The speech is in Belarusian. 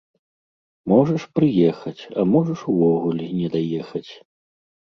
Можаш прыехаць, а можаш увогуле не даехаць.